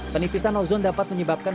penipisan ozon dapat menyebabkan